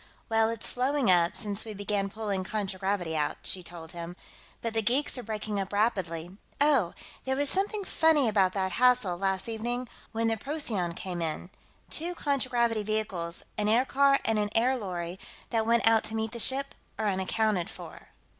"Well, it's slowing up, since we began pulling contragravity out," she told him, "but the geeks are breaking up rapidly.... Oh, there was something funny about that hassle, last evening, when the Procyon came in. Two contragravity vehicles, an aircar and an air lorry, that went out to meet the ship, are unaccounted for."